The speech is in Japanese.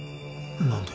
何で？